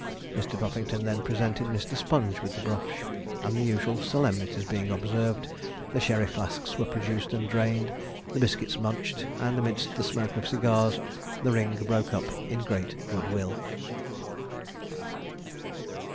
Mr. Puffington then presented Mr. Sponge with the brush, and the usual solemnities being observed, the sherry flasks were produced and drained, the biscuits munched, and, amidst the smoke of cigars, the ring broke up in great good will.